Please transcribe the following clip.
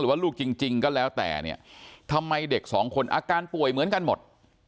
ว่าลูกจริงก็แล้วแต่เนี่ยทำไมเด็กสองคนอาการป่วยเหมือนกันหมด